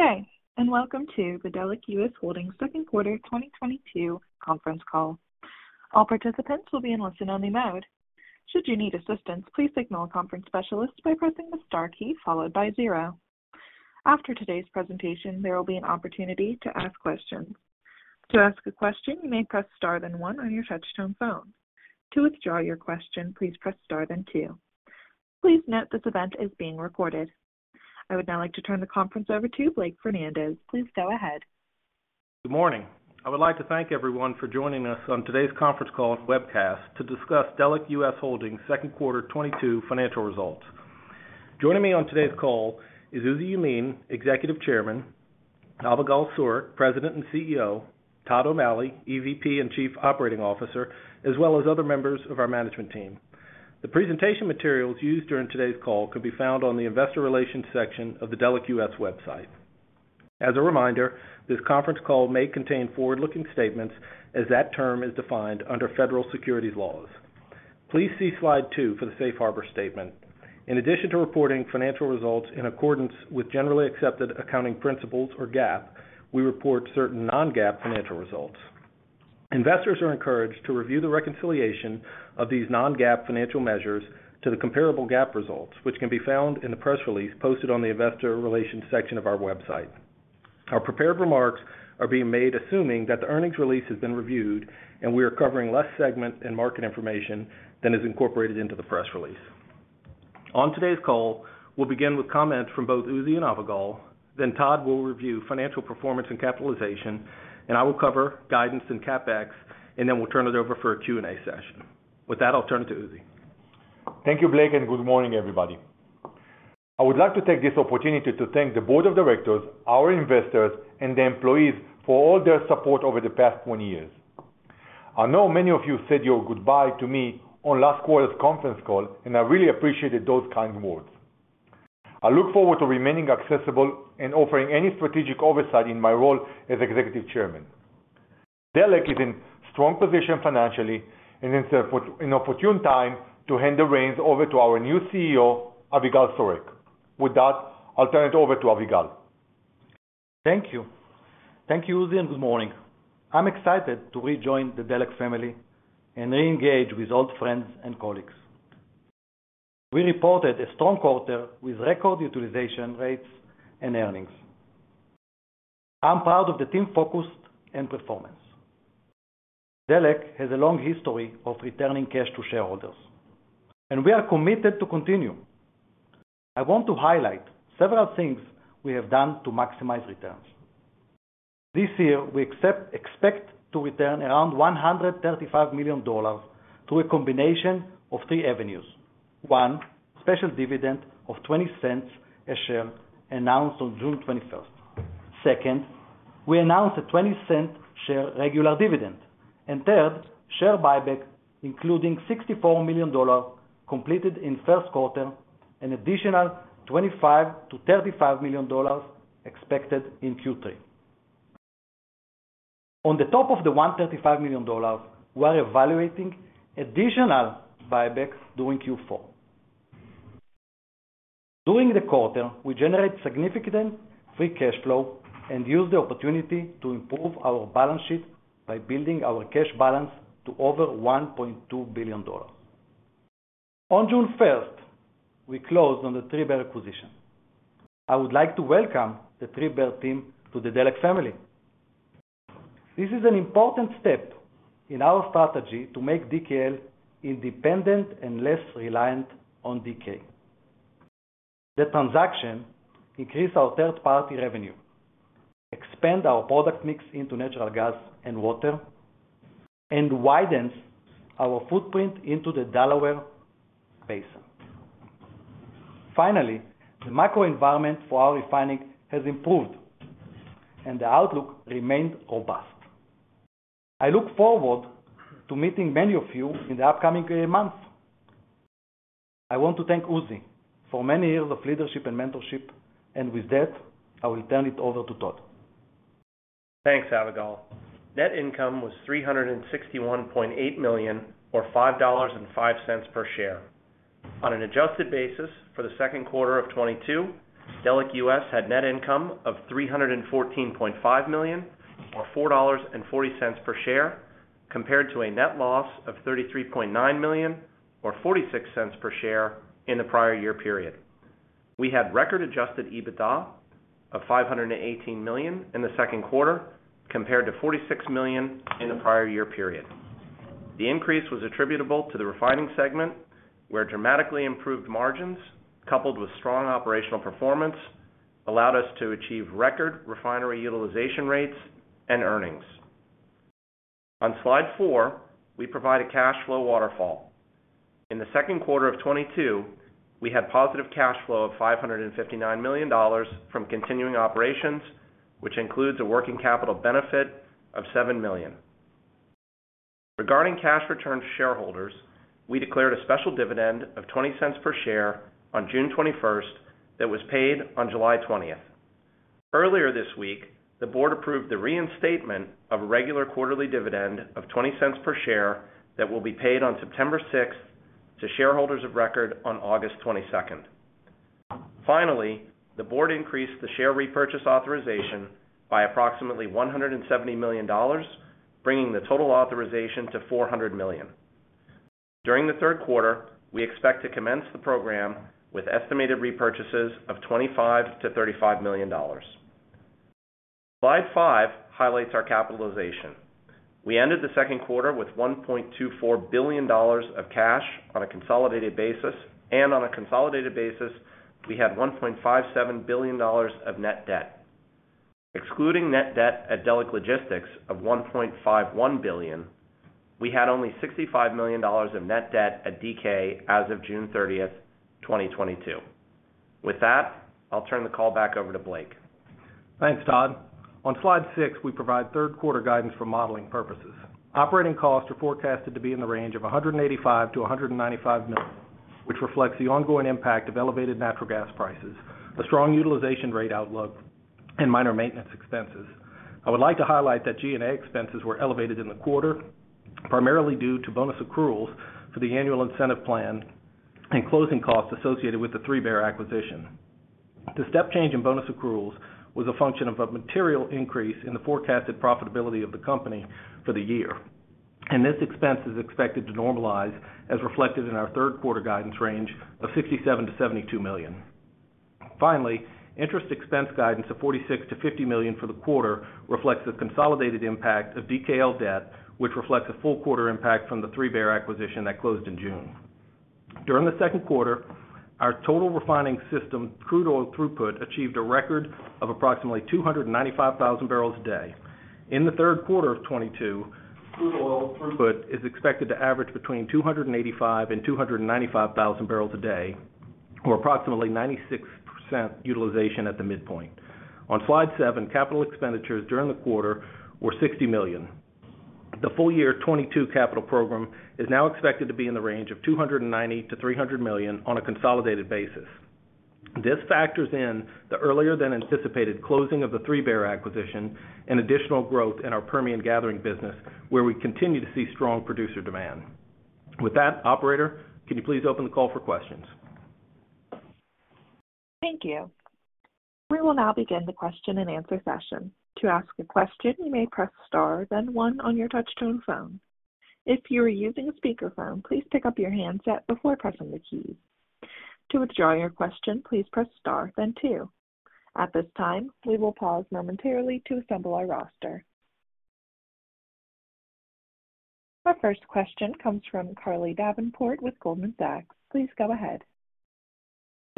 Good day, and welcome to the Delek US Holdings Second Quarter 2022 Conference Call. All participants will be in listen-only mode. Should you need assistance, please signal a conference specialist by pressing the star key followed by 0. After today's presentation, there will be an opportunity to ask questions. To ask a question, you may press star then 1 on your touchtone phone. To withdraw your question, please press star then 2. Please note this event is being recorded. I would now like to turn the conference over to Blake Fernandez. Please go ahead. Good morning. I would like to thank everyone for joining us on today's conference call webcast to discuss Delek US Holdings' Second Quarter 2022 Financial Results. Joining me on today's call is Uzi Yemin, Executive Chairman, Avigal Soreq, President and CEO, Todd O'Malley, EVP and Chief Operating Officer, as well as other members of our management team. The presentation materials used during today's call can be found on the Investor Relations section of the Delek US website. As a reminder, this conference call may contain forward-looking statements as that term is defined under federal securities laws. Please see slide 2 for the Safe Harbor statement. In addition to reporting financial results in accordance with generally accepted accounting principles or GAAP, we report certain non-GAAP financial results. Investors are encouraged to review the reconciliation of these non-GAAP financial measures to the comparable GAAP results, which can be found in the press release posted on the Investor Relations section of our website. Our prepared remarks are being made assuming that the earnings release has been reviewed and we are covering less segment and market information than is incorporated into the press release. On today's call, we'll begin with comments from both Uzi and Avigal. Then Todd will review financial performance and capitalization, and I will cover guidance and CapEx, and then we'll turn it over for a Q&A session. With that, I'll turn it to Uzi. Thank you, Blake, and good morning, everybody. I would like to take this opportunity to thank the board of directors, our investors, and the employees for all their support over the past 20 years. I know many of you said your goodbye to me on last quarter's conference call, and I really appreciated those kind words. I look forward to remaining accessible and offering any strategic oversight in my role as executive chairman. Delek is in strong position financially and it's an opportune time to hand the reins over to our new CEO, Avigal Soreq. With that, I'll turn it over to Avigal. Thank you. Thank you, Uzi, and good morning. I'm excited to rejoin the Delek family and reengage with old friends and colleagues. We reported a strong quarter with record utilization rates and earnings. I'm proud of the team focus and performance. Delek has a long history of returning cash to shareholders, and we are committed to continue. I want to highlight several things we have done to maximize returns. This year, we expect to return around $135 million to a combination of three avenues. One, special dividend of $0.20 per share announced on June 21. Second, we announced a $0.20 per share regular dividend. Third, share buyback, including $64 million completed in first quarter, an additional $25 million-$35 million expected in Q3. On top of the $135 million, we're evaluating additional buybacks during Q4. During the quarter, we generate significant free cash flow and use the opportunity to improve our balance sheet by building our cash balance to over $1.2 billion. On June 1, we closed on the 3Bear acquisition. I would like to welcome the 3Bear team to the Delek family. This is an important step in our strategy to make DKL independent and less reliant on DK. The transaction increase our third-party revenue, expand our product mix into natural gas and water, and widens our footprint into the Delaware Basin. Finally, the macro environment for our refining has improved, and the outlook remains robust. I look forward to meeting many of you in the upcoming months. I want to thank Uzi for many years of leadership and mentorship, and with that, I will turn it over to Todd. Thanks, Avigal. Net income was $361.8 million or $5.05 per share. On an adjusted basis for the second quarter of 2022, Delek US had net income of $314.5 million or $4.40 per share, compared to a net loss of $33.9 million or $0.46 per share in the prior year period. We had record Adjusted EBITDA of $518 million in the second quarter compared to $46 million in the prior year period. The increase was attributable to the refining segment, where dramatically improved margins coupled with strong operational performance allowed us to achieve record refinery utilization rates and earnings. On slide 4, we provide a cash flow waterfall. In the second quarter of 2022, we had positive cash flow of $559 million from continuing operations, which includes a working capital benefit of $7 million. Regarding cash return to shareholders, we declared a special dividend of $0.20 per share on June 21 that was paid on July 20. Earlier this week, the board approved the reinstatement of a regular quarterly dividend of $0.20 per share that will be paid on September 6 to shareholders of record on August 22. Finally, the Board increased the share repurchase authorization by approximately $170 million, bringing the total authorization to $400 million. During the third quarter, we expect to commence the program with estimated repurchases of $25 million-$35 million. Slide 5 highlights our capitalization. We ended the second quarter with $1.24 billion of cash on a consolidated basis, and on a consolidated basis, we had $1.57 billion of net debt. Excluding net debt at Delek Logistics of $1.51 billion, we had only $65 million of net debt at DK as of June 30, 2022. With that, I'll turn the call back over to Blake. Thanks, Todd. On slide 6, we provide third quarter guidance for modeling purposes. Operating costs are forecasted to be in the range of $185 million-$195 million, which reflects the ongoing impact of elevated natural gas prices, a strong utilization rate outlook, and minor maintenance expenses. I would like to highlight that G&A expenses were elevated in the quarter, primarily due to bonus accruals for the annual incentive plan and closing costs associated with the 3Bear acquisition. The step change in bonus accruals was a function of a material increase in the forecasted profitability of the company for the year, and this expense is expected to normalize, as reflected in our third quarter guidance range of $57 million-$72 million. Finally, interest expense guidance of $46 million-$50 million for the quarter reflects the consolidated impact of DKL debt, which reflects a full quarter impact from the 3Bear acquisition that closed in June. During the second quarter, our total refining system crude oil throughput achieved a record of approximately 295,000 barrels a day. In the third quarter of 2022, crude oil throughput is expected to average between 285,000 and 295,000 barrels a day, or approximately 96% utilization at the midpoint. On slide 7, capital expenditures during the quarter were $60 million. The full year 2022 capital program is now expected to be in the range of $290 million-$300 million on a consolidated basis. This factors in the earlier than anticipated closing of the 3Bear acquisition and additional growth in our Permian gathering business, where we continue to see strong producer demand. With that, Operator, can you please open the call for questions? Thank you. We will now begin the question and answer session. To ask a question, you may press star, then 1 on your touch-tone phone. If you are using a speakerphone, please pick up your handset before pressing the keys. To withdraw your question, please press star, then 2. At this time, we will pause momentarily to assemble our roster. Our first question comes from Carly Davenport with Goldman Sachs. Please go ahead.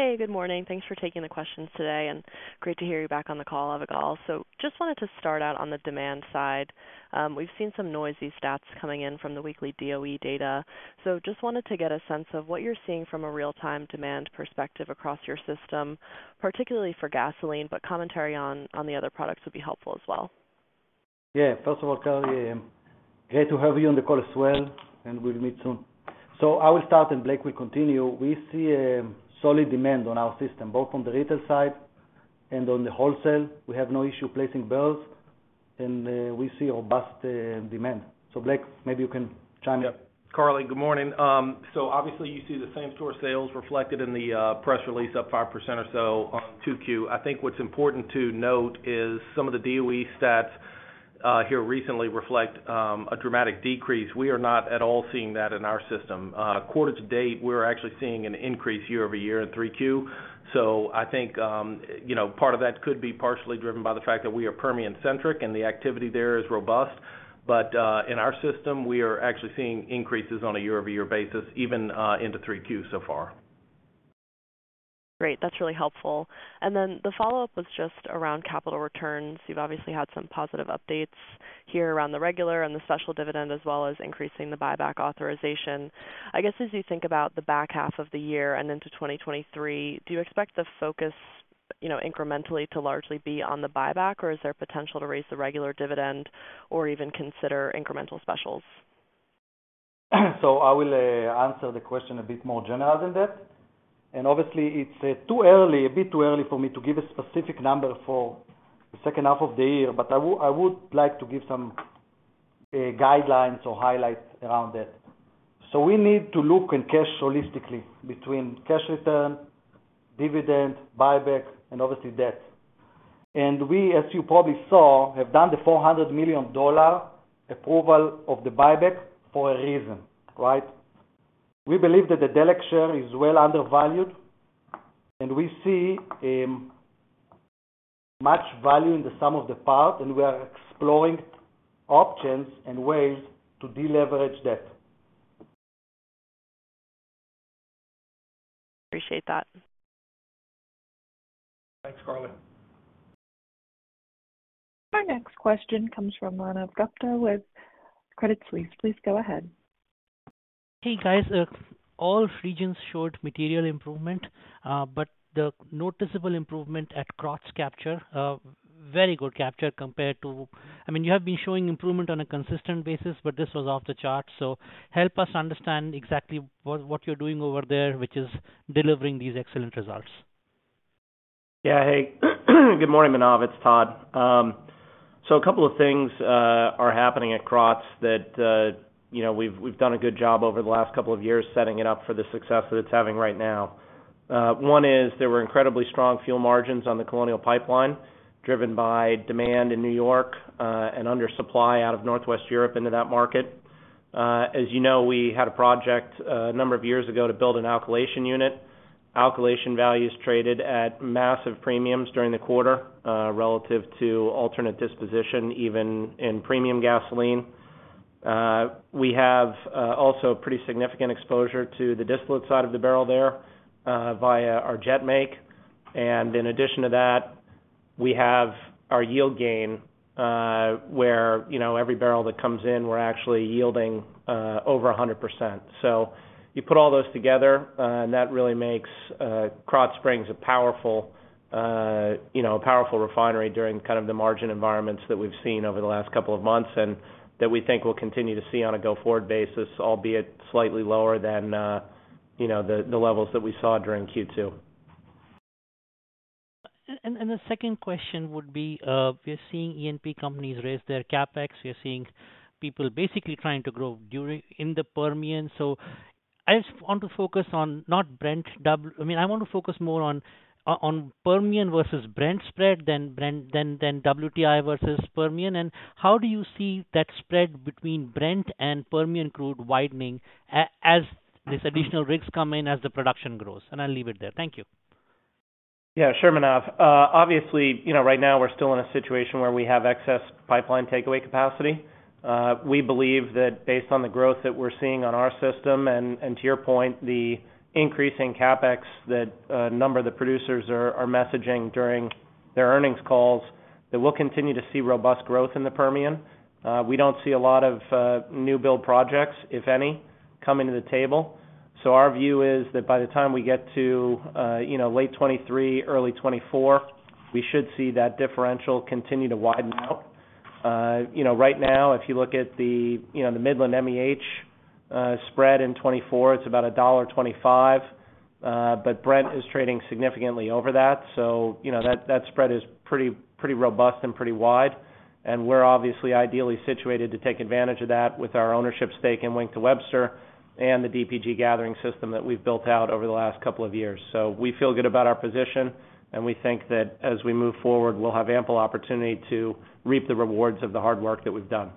Hey, good morning. Thanks for taking the questions today, and great to hear you back on the call, Avigal. Just wanted to start out on the demand side. We've seen some noisy stats coming in from the weekly DOE data. Just wanted to get a sense of what you're seeing from a real-time demand perspective across your system, particularly for gasoline, but commentary on the other products would be helpful as well. Yeah. First of all, Carly, great to have you on the call as well, and we'll meet soon. I will start, and Blake will continue. We see a solid demand on our system, both on the retail side and on the wholesale. We have no issue placing bills, and we see robust demand. Blake, maybe you can chime in. Carly, good morning. Obviously, you see the same-store sales reflected in the press release up 5% or so on Q2. I think what's important to note is some of the DOE stats here recently reflect a dramatic decrease. We are not at all seeing that in our system. Quarter to date, we're actually seeing an increase year-over-year in Q3. I think you know, part of that could be partially driven by the fact that we are Permian-centric and the activity there is robust. In our system, we are actually seeing increases on a year-over-year basis even into Q3 so far. Great. That's really helpful. The follow-up was just around capital returns. You've obviously had some positive updates here around the regular and the special dividend, as well as increasing the buyback authorization. I guess, as you think about the back half of the year and into 2023, do you expect the focus, you know, incrementally to largely be on the buyback, or is there potential to raise the regular dividend or even consider incremental specials? I will answer the question a bit more general than that. Obviously, it's a bit too early for me to give a specific number for the second half of the year, but I would like to give some guidelines or highlights around it. We need to look at cash holistically between cash return, dividend, buyback, and obviously debt. We, as you probably saw, have done the $400 million approval of the buyback for a reason, right? We believe that the Delek share is well undervalued, and we see much value in the sum of the parts, and we are exploring options and ways to deleverage debt. Appreciate that. Thanks, Carly. Our next question comes from Manav Gupta with Credit Suisse. Please go ahead. Hey, guys. All regions showed material improvement, but the noticeable improvement at Krotz Springs capture, very good capture. I mean, you have been showing improvement on a consistent basis, but this was off the charts. Help us understand exactly what you're doing over there, which is delivering these excellent results. Yeah. Hey, good morning, Manav, it's Todd. A couple of things are happening at Krotz Springs that, you know, we've done a good job over the last couple of years setting it up for the success that it's having right now. One is there were incredibly strong fuel margins on the Colonial Pipeline, driven by demand in New York, and undersupply out of Northwest Europe into that market. As you know, we had a project a number of years ago to build an alkylation unit. Alkylation values traded at massive premiums during the quarter, relative to alternative disposition, even in premium gasoline. We have also pretty significant exposure to the distillate side of the barrel there, via our jet make. In addition to that, we have our yield gain, where, you know, every barrel that comes in, we're actually yielding over 100%. So you put all those together, and that really makes Krotz Springs a powerful refinery during kind of the margin environments that we've seen over the last couple of months, and that we think we'll continue to see on a go-forward basis, albeit slightly lower than, you know, the levels that we saw during Q2. The second question would be, we're seeing E&P companies raise their CapEx. We are seeing people basically trying to grow in the Permian. I just want to focus on not Brent —I mean, I want to focus more on Permian versus Brent spread than Brent than WTI versus Permian. How do you see that spread between Brent and Permian crude widening as these additional rigs come in, as the production grows? I'll leave it there. Thank you. Yeah, sure, Manav. Obviously, you know, right now we're still in a situation where we have excess pipeline takeaway capacity. We believe that based on the growth that we're seeing on our system and, to your point, the increase in CapEx that a number of the producers are messaging during their earnings calls, that we'll continue to see robust growth in the Permian. We don't see a lot of new build projects, if any, coming to the table. Our view is that by the time we get to, you know, late 2023, early 2024, we should see that differential continue to widen out. You know, right now, if you look at the, you know, the Midland-MEH spread in 2024, it's about $1.25. But Brent is trading significantly over that. You know, that spread is pretty robust and pretty wide. We're obviously ideally situated to take advantage of that with our ownership stake in Wink to Webster and the DPG gathering system that we've built out over the last couple of years. We feel good about our position, and we think that as we move forward, we'll have ample opportunity to reap the rewards of the hard work that we've done.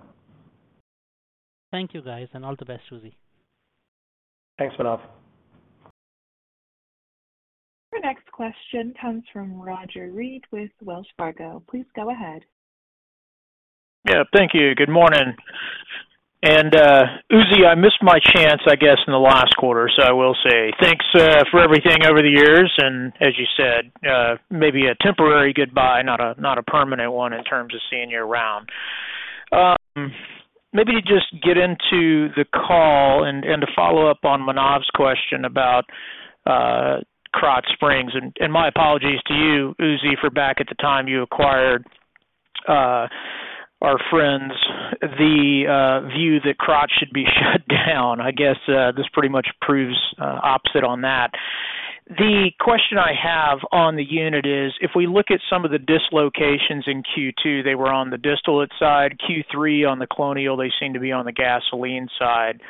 Thank you, guys, and all the best, Uzi. Thanks, Manav. Your next question comes from Roger Read with Wells Fargo. Please go ahead. Yeah. Thank you. Good morning. Uzi, I missed my chance, I guess, in the last quarter. I will say thanks for everything over the years, and as you said, maybe a temporary goodbye, not a permanent one in terms of seeing you around. Maybe just get into the call and to follow up on Manav's question about Krotz Springs. My apologies to you, Uzi, for back at the time you acquired our friends, the view that Krotz Springs should be shut down. I guess, this pretty much proves opposite on that. The question I have on the unit is, if we look at some of the dislocations in Q2, they were on the distillate side, Q3 on the Colonial, they seem to be on the gasoline side.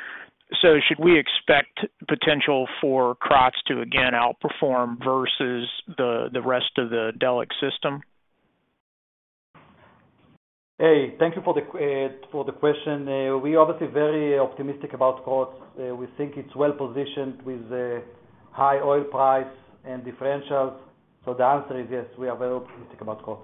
Should we expect potential for Krotz Springs to again outperform versus the rest of the Delek system? Hey, thank you for the question. We're obviously very optimistic about Krotz Springs. We think it's well positioned with the high oil price and differentials. The answer is yes, we are very optimistic about Krotz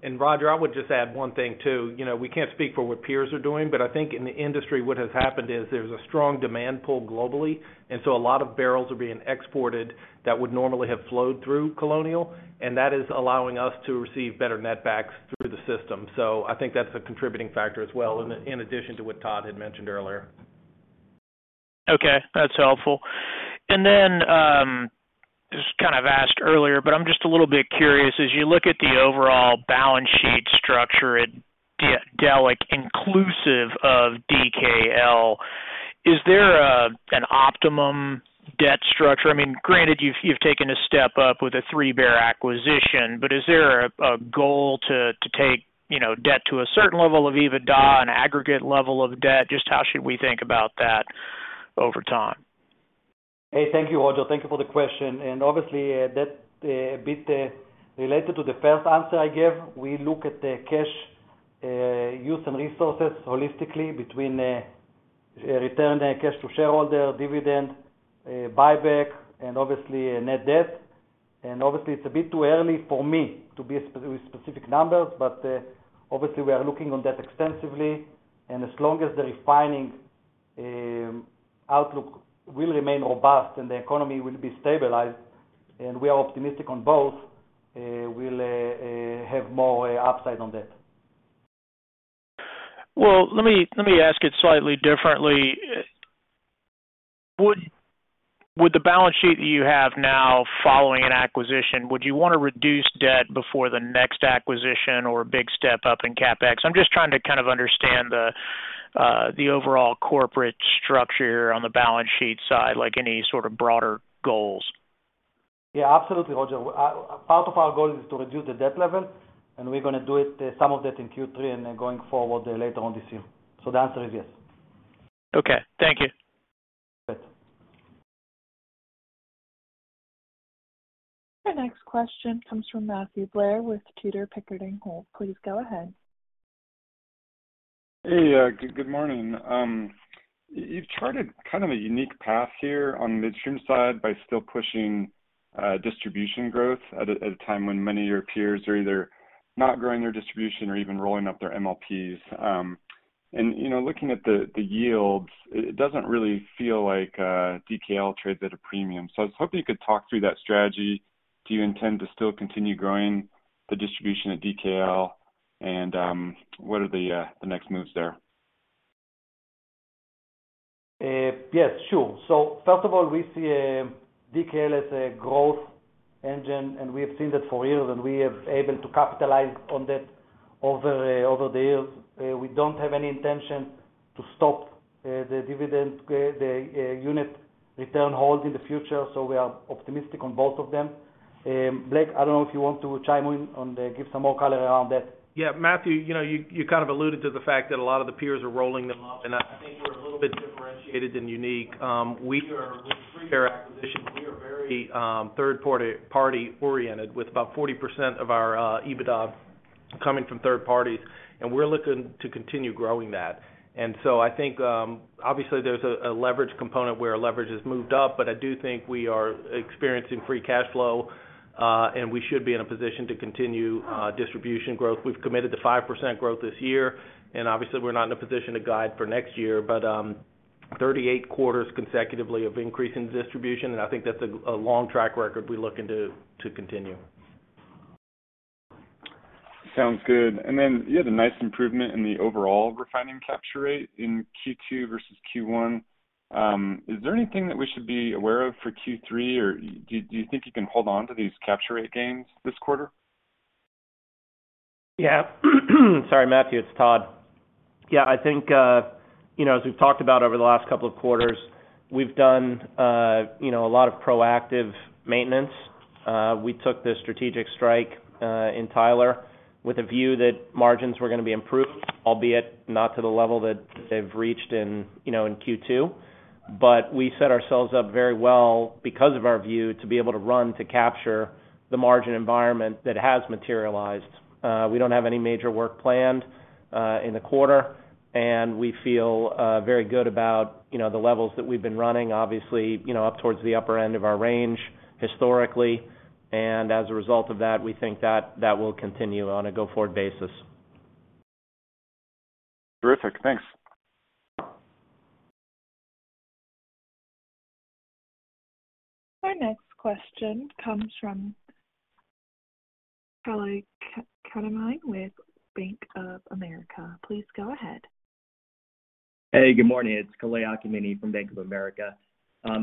Springs. Roger, I would just add one thing too. You know, we can't speak for what peers are doing, but I think in the industry, what has happened is there's a strong demand pull globally, and so a lot of barrels are being exported that would normally have flowed through Colonial, and that is allowing us to receive better net backs through the system. So I think that's a contributing factor as well in addition to what Todd had mentioned earlier. Okay. That's helpful. This was kind of asked earlier, but I'm just a little bit curious. As you look at the overall balance sheet structure at Delek, inclusive of DKL, is there an optimum debt structure? I mean, granted you've taken a step up with a 3Bear acquisition, but is there a goal to take, you know, debt to a certain level of EBITDA, an aggregate level of debt? Just how should we think about that over time? Hey, thank you, Roger. Thank you for the question. Obviously, that bit related to the first answer I gave. We look at the cash use and resources holistically between return cash to shareholder, dividend, buyback and obviously net debt. Obviously it's a bit too early for me to be specific with specific numbers, but obviously we are looking on that extensively. As long as the refining outlook will remain robust and the economy will be stabilized, and we are optimistic on both, we'll have more upside on that. Well, let me ask it slightly differently. With the balance sheet that you have now following an acquisition, would you wanna reduce debt before the next acquisition or big step up in CapEx? I'm just trying to kind of understand the The overall corporate structure on the balance sheet side, like any sort of broader goals? Yeah, absolutely, Roger. Part of our goal is to reduce the debt level, and we're gonna do it, some of that in Q3 and then going forward later on this year. The answer is yes. Okay, thank you. Okay. Our next question comes from Matthew Blair with Tudor, Pickering, Holt. Please go ahead. Hey, good morning. You've charted kind of a unique path here on the midstream side by still pushing distribution growth at a time when many of your peers are either not growing their distribution or even rolling up their MLPs. You know, looking at the yields, it doesn't really feel like DKL trades at a premium. I was hoping you could talk through that strategy. Do you intend to still continue growing the distribution at DKL? What are the next moves there? Yes, sure. First of all, we see DKL as a growth engine, and we have seen that for years, and we have been able to capitalize on that over the years. We don't have any intention to stop the dividend growth, the unit return hold in the future, so we are optimistic on both of them. Blake, I don't know if you want to chime in to give some more color around that. Yeah, Matthew, you know, you kind of alluded to the fact that a lot of the peers are rolling them up, and I think we're a little bit differentiated and unique. We are with three acquisitions. We are very third party-oriented with about 40% of our EBITDA coming from third parties, and we're looking to continue growing that. I think obviously there's a leverage component where our leverage has moved up, but I do think we are experiencing free cash flow, and we should be in a position to continue distribution growth. We've committed to 5% growth this year, and obviously, we're not in a position to guide for next year, but 38 quarters consecutively of increase in distribution, and I think that's a long track record we're looking to continue. Sounds good. Then you had a nice improvement in the overall refining capture rate in Q2 versus Q1. Is there anything that we should be aware of for Q3, or do you think you can hold on to these capture rate gains this quarter? Yeah. Sorry, Matthew, it's Todd. Yeah, I think, you know, as we've talked about over the last couple of quarters, we've done, you know, a lot of proactive maintenance. We took the strategic strike in Tyler with a view that margins were gonna be improved, albeit not to the level that they've reached in, you know, in Q2. We set ourselves up very well because of our view to be able to run to capture the margin environment that has materialized. We don't have any major work planned in the quarter, and we feel very good about, you know, the levels that we've been running, obviously, you know, up towards the upper end of our range historically. As a result of that, we think that will continue on a go-forward basis. Terrific. Thanks. Our next question comes from Kalei Akamine with Bank of America. Please go ahead. Hey, good morning. It's Kalei Akamine from Bank of America.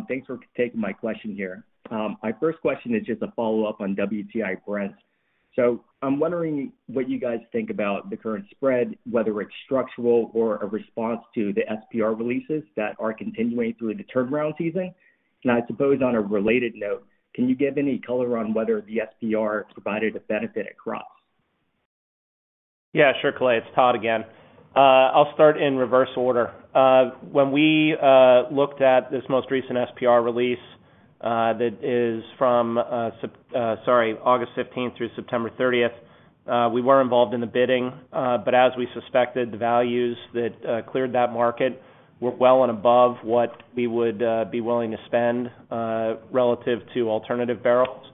Thanks for taking my question here. My first question is just a follow-up on WTI-Brent. I'm wondering what you guys think about the current spread, whether it's structural or a response to the SPR releases that are continuing through the turnaround season. I suppose on a related note, can you give any color on whether the SPR provided a benefit at Krotz Springs? Yeah, sure, Kalei. It's Todd again. I'll start in reverse order. When we looked at this most recent SPR release, that is from August 15 through September 30, we were involved in the bidding. As we suspected, the values that cleared that market were well and above what we would be willing to spend relative to alternative barrels.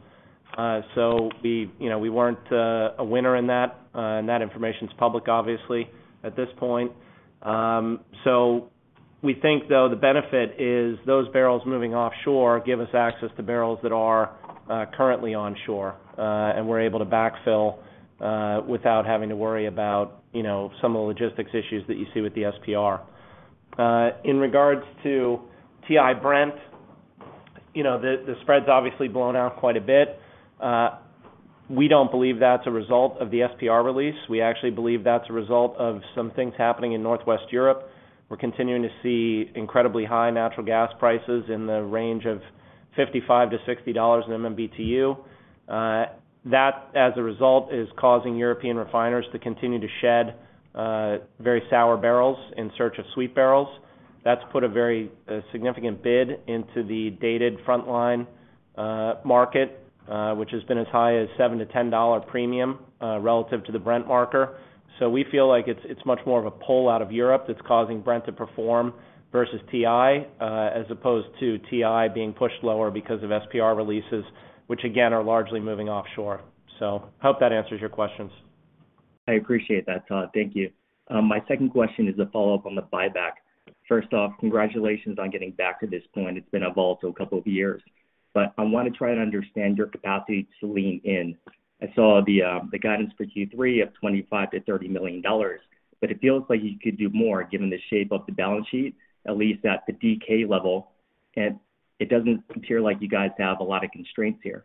We, you know, we weren't a winner in that, and that information is public, obviously, at this point. We think, though, the benefit is those barrels moving offshore give us access to barrels that are currently onshore, and we're able to backfill without having to worry about, you know, some of the logistics issues that you see with the SPR. In regards to WTI-Brent, you know, the spread's obviously blown out quite a bit. We don't believe that's a result of the SPR release. We actually believe that's a result of some things happening in Northwest Europe. We're continuing to see incredibly high natural gas prices in the range of $55-$60/MMBtu. That, as a result, is causing European refiners to continue to shed very sour barrels in search of sweet barrels. That's put a very significant bid into the dated frontline market, which has been as high as $7-$10 premium relative to the Brent marker. We feel like it's much more of a pull out of Europe that's causing Brent to perform versus WTI, as opposed to WTI being pushed lower because of SPR releases, which again, are largely moving offshore. Hope that answers your questions. I appreciate that, Todd. Thank you. My second question is a follow-up on the buyback. First off, congratulations on getting back to this point. It's been a volatile couple of years. I wanna try to understand your capacity to lean in. I saw the guidance for Q3 of $25 million-$30 million, but it feels like you could do more given the shape of the balance sheet, at least at the DK level. It doesn't appear like you guys have a lot of constraints here.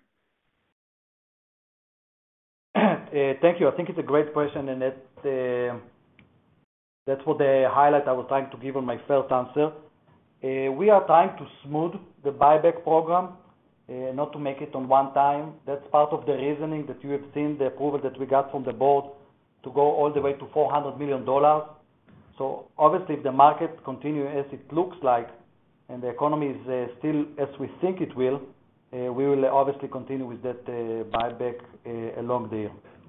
Thank you. I think it's a great question, and that's the highlight I was trying to give on my first answer. We are trying to smooth the buyback program, not to make it at one time. That's part of the reasoning that you have seen the approval that we got from the board to go all the way to $400 million. Obviously, if the market continue as it looks like, and the economy is still as we think it will, we will obviously continue with that buyback along the year. Got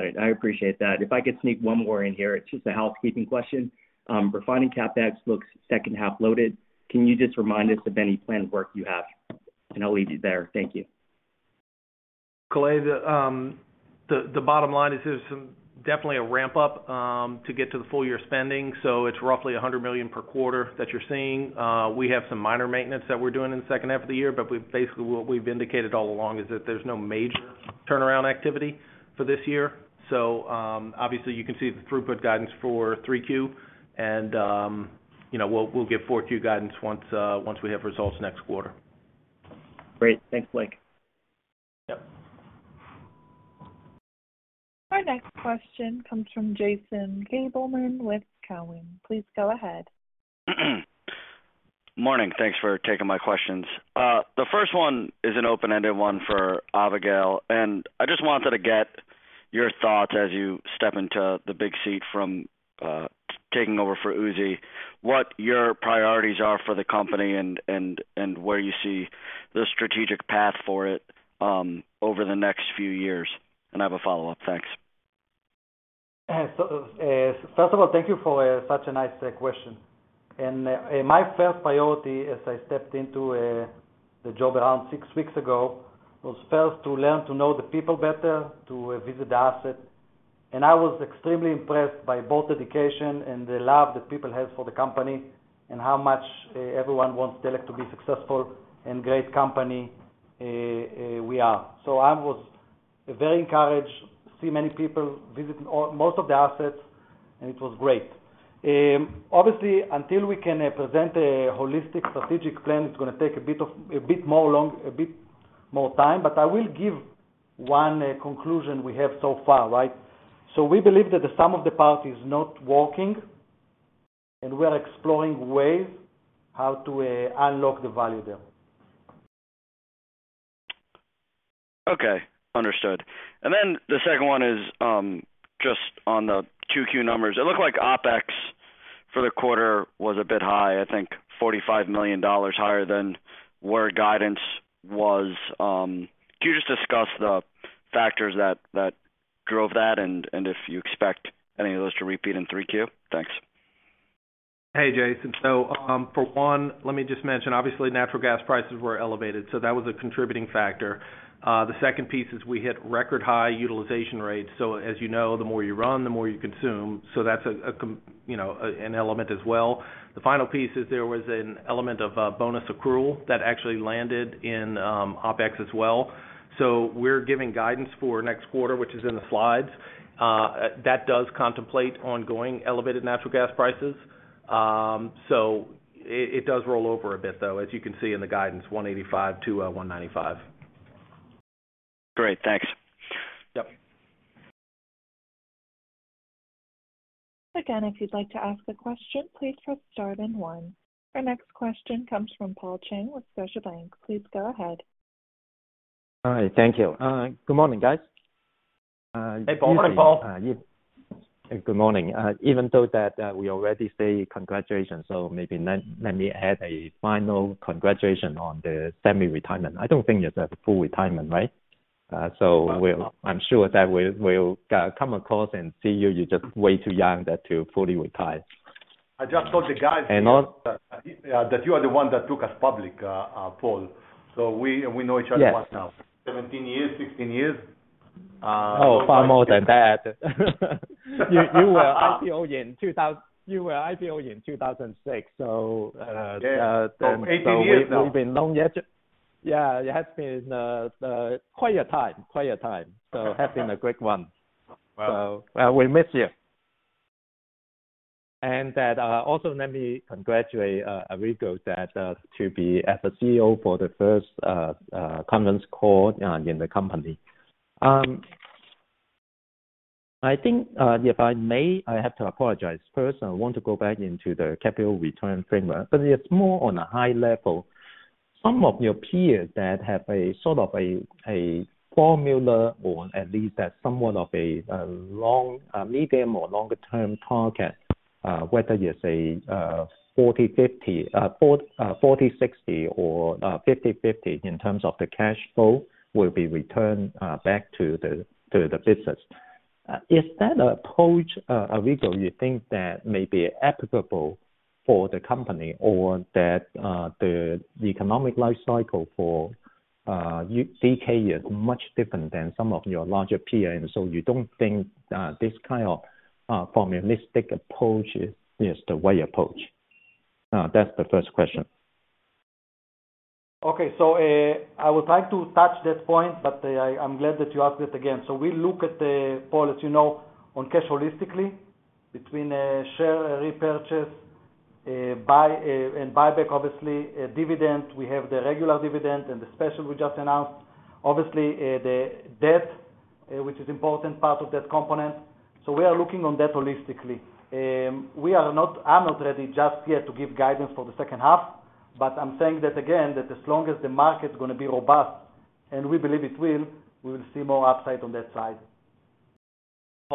it. I appreciate that. If I could sneak one more in here, it's just a housekeeping question. Refining CapEx looks second half loaded. Can you just remind us of any planned work you have? I'll leave you there. Thank you. Clay, the bottom line is there's definitely a ramp up to get to the full year spending, so it's roughly $100 million per quarter that you're seeing. We have some minor maintenance that we're doing in the second half of the year, but basically what we've indicated all along is that there's no major turnaround activity for this year. Obviously you can see the throughput guidance for Q3. You know, we'll give Q4 guidance once we have results next quarter. Great. Thanks, Blake. Yep. Our next question comes from Jason Gabelman with Cowen. Please go ahead. Morning, thanks for taking my questions. The first one is an open-ended one for Avigal, and I just wanted to get your thoughts as you step into the big seat from taking over for Uzi, what your priorities are for the company and where you see the strategic path for it over the next few years? I have a follow-up. Thanks. First of all, thank you for such a nice question. My first priority as I stepped into the job around six weeks ago was first to learn to know the people better, to visit the asset. I was extremely impressed by both dedication and the love that people have for the company, and how much everyone wants Delek to be successful and great company we are. I was very encouraged to see many people visiting most of the assets, and it was great. Obviously, until we can present a holistic strategic plan, it's gonna take a bit more time, but I will give one conclusion we have so far, right? We believe that the sum of the parts is not working, and we are exploring ways how to unlock the value there. Okay. Understood. Then the second one is, just on the Q2 numbers. It looked like OpEx for the quarter was a bit high, I think $45 million higher than where guidance was. Could you just discuss the factors that drove that and if you expect any of those to repeat in Q3? Thanks. Hey, Jason. For one, let me just mention, obviously natural gas prices were elevated, so that was a contributing factor. The second piece is we hit record high utilization rates. As you know, the more you run, the more you consume. That's an element as well. The final piece is there was an element of bonus accrual that actually landed in OpEx as well. We're giving guidance for next quarter, which is in the slides. That does contemplate ongoing elevated natural gas prices. It does roll over a bit, though, as you can see in the guidance, $185-$195. Great. Thanks. Yep. Again, if you'd like to ask a question, please press star then 1. Our next question comes from Paul Cheng with Scotiabank. Please go ahead. Hi. Thank you. Good morning, guys. Hey, Paul. Good morning, Paul. Good morning. Even though that, we already say congratulations, so maybe let me add a final congratulations on the semi-retirement. I don't think it's a full retirement, right? We'll- No. I'm sure that we'll come across and see you. You're just way too young there to fully retire. I just told the guys- And also- that you are the one that took us public, Paul. We know each other. Yes. 17 years? 16 years? Oh, far more than that. You were IPO in 2006. Yeah. 18 years now. We've been long yet. Yeah. It has been quite a time. Has been a great one. Well. We'll miss you. That also let me congratulate Avigal to be as a CEO for the first conference call in the company. I think, if I may, I have to apologize first. I want to go back into the capital return framework, but it's more on a high level. Some of your peers that have a sort of formula or at least somewhat of a medium or longer term target, whether you say 40/50, 40/60 or 50/50 in terms of the cash flow will be returned back to the business. Is that approach, Avigal, you think that may be applicable for the company or that the economic life cycle for Delek is much different than some of your larger peers, and so you don't think this kind of formulaic approach is the way to approach? That's the first question. Okay. I will try to touch that point, but, I'm glad that you asked it again. We look at the policy now on cash holistically between share repurchase and buyback, obviously, a dividend. We have the regular dividend and the special we just announced. Obviously, the debt, which is important part of that component. We are looking on that holistically. I'm not ready just yet to give guidance for the second half, but I'm saying that again, that as long as the market's gonna be robust, and we believe it will, we will see more upside on that side.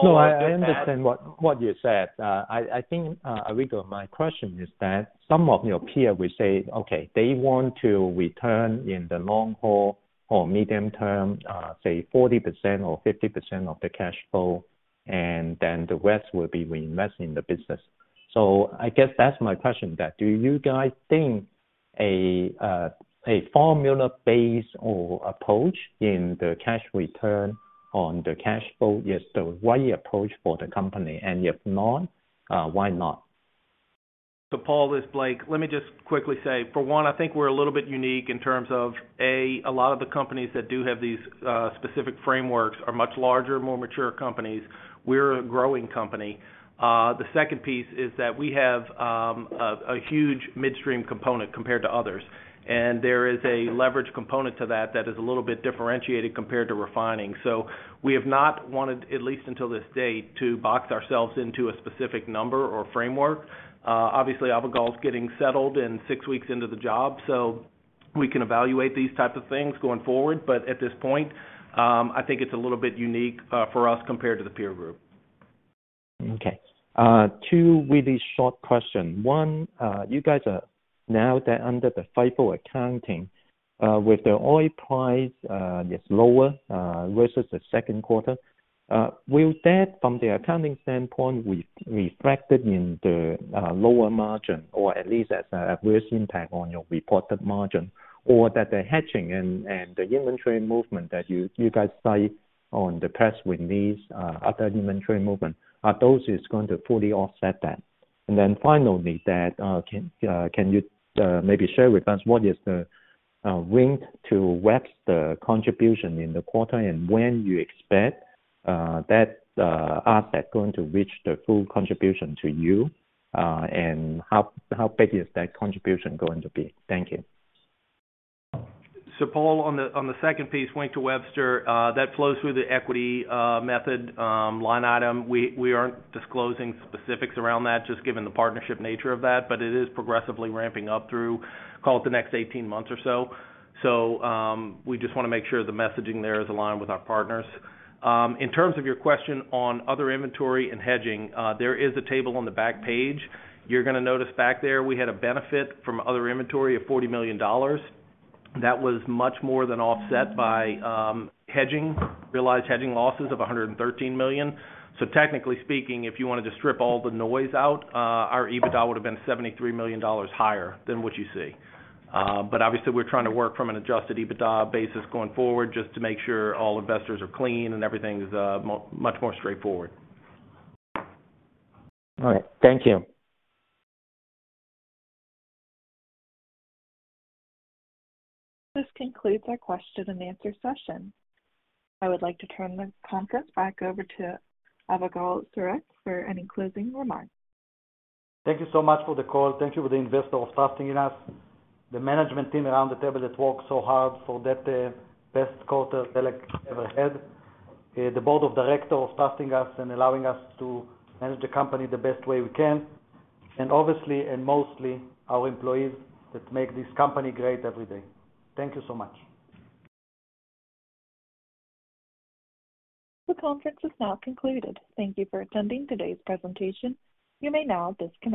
No, I understand what you said. I think, Avigal, my question is that some of your peer will say, okay, they want to return in the long haul or medium term, say 40% or 50% of the cash flow, and then the rest will be reinvest in the business. I guess that's my question that do you guys think a formula base or approach in the cash return on the cash flow is the right approach for the company? And if not, why not? Paul, this is Blake. Let me just quickly say, for one, I think we're a little bit unique in terms of, A, a lot of the companies that do have these specific frameworks are much larger, more mature companies. We're a growing company. The second piece is that we have a huge midstream component compared to others, and there is a leverage component to that that is a little bit differentiated compared to refining. We have not wanted, at least until this date, to box ourselves into a specific number or framework. Obviously, Avigal's getting settled and six weeks into the job, so we can evaluate these types of things going forward. At this point, I think it's a little bit unique for us compared to the peer group. Okay. Two really short question. One, you guys are now under the FIFO accounting, with the oil price is lower versus the second quarter. Will that from the accounting standpoint reflected in the lower margin or at least as a adverse impact on your reported margin? Or that the hedging and the inventory movement that you guys cite on the press release, other inventory movement, are those is going to fully offset that? Finally, can you maybe share with us what is the Wink to Webster contribution in the quarter, and when you expect that asset going to reach the full contribution to you, and how big is that contribution going to be? Thank you. Paul Cheng, on the second piece, Wink to Webster Pipeline, that flows through the equity method line item. We aren't disclosing specifics around that just given the partnership nature of that, but it is progressively ramping up through, call it the next 18 months or so. We just wanna make sure the messaging there is aligned with our partners. In terms of your question on other inventory and hedging, there is a table on the back page. You're gonna notice back there we had a benefit from other inventory of $40 million. That was much more than offset by hedging, realized hedging losses of $113 million. Technically speaking, if you wanted to strip all the noise out, our EBITDA would've been $73 million higher than what you see. Obviously we're trying to work from an Adjusted EBITDA basis going forward just to make sure all investors are clean and everything's much more straightforward. All right. Thank you. This concludes our question and answer session. I would like to turn the conference back over to Avigal Soreq for any closing remarks. Thank you so much for the call. Thank you for the investors trusting in us. The management team around the table that work so hard for that best quarter Delek ever had. The board of directors trusting us and allowing us to manage the company the best way we can. Obviously and mostly our employees that make this company great every day. Thank you so much. The conference is now concluded. Thank you for attending today's presentation. You may now disconnect.